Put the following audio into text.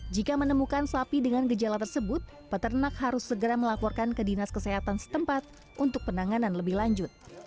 jika menemukan sapi dengan gejala tersebut peternak harus segera melaporkan ke dinas kesehatan setempat untuk penanganan lebih lanjut